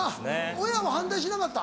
親は反対しなかった？